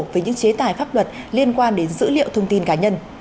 với những chế tài pháp luật liên quan đến dữ liệu thông tin cá nhân